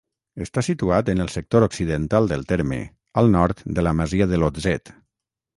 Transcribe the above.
Està situat en el sector occidental del terme, al nord de la masia de l'Otzet.